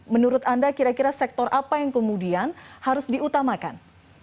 menurut anda kira kira sektor apa yang kemudian harus diutamakan